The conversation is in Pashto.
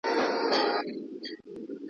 په دين کي هر نوی کار پيدا کول بدعت دی